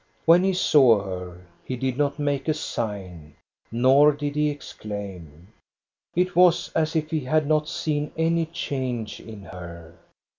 When he saw her, he did not make a sign, nor did he exclaim. It was as if he had not seen any change in her.